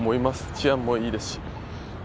治安もいいですし。